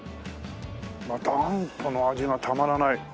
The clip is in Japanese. またあんこの味がたまらない。